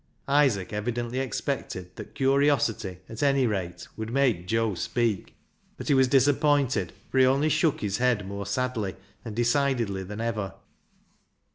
" Isaac evidently expected that curiosity, at any rate, would make Joe speak, but he was disappointed, for he only shook his head more sadly and decidedly than ever.